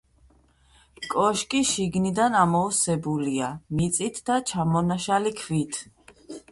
კოშკი შიგნიდან ამოვსებულია მიწით და ჩამონაშალი ქვით.